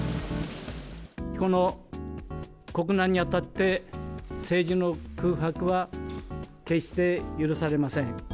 この国難に当たって、政治の空白は決して許されません。